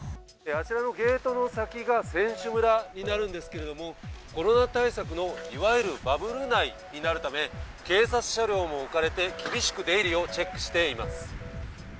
あちらのゲートの先が選手村になるんですけれども、コロナ対策のいわゆるバブル内になるため、警察車両も置かれて厳しく出入りをチェックしています。